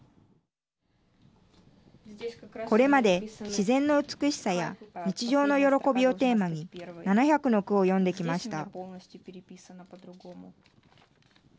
これまで自然の美しさや日常の喜びをテーマに７００の句を詠んできました。